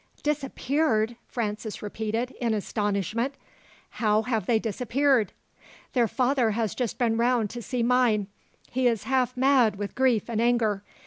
"Disappeared!" Francis repeated in astonishment "How have they disappeared?" "Their father has just been round to see mine. He is half mad with grief and anger.